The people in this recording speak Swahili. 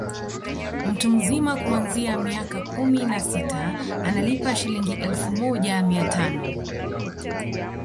Mtu mzima kuanzia miaka kumi na sita analipa Shilingi elfu moja mia tano